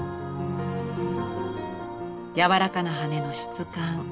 やわらかな羽根の質感。